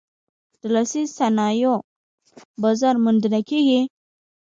د لاسي صنایعو بازار موندنه کیږي؟